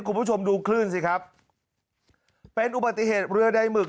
คุณผู้ชมดูคลื่นสิครับเป็นอุบัติเหตุเรือใดหมึก